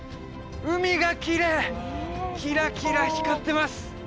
海がきれいキラキラ光ってます